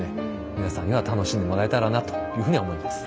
皆さんには楽しんでもらえたらなというふうに思います。